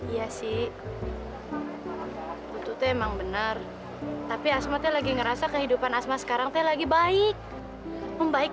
iya sih untuk teh emang benar tapi asmatnya lagi ngerasa kehidupan asmat sekarang teh lagi baik membaik